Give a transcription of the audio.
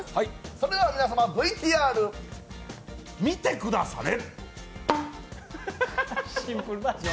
それでは皆様、ＶＴＲ見てくだされ！